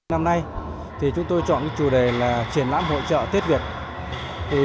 năm nay chúng tôi chọn chủ đề là triển lãm hội trợ tết việt